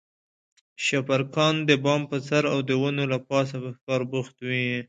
شپرکان د بام پر سر او د ونو له پاسه په ښکار بوخت وي.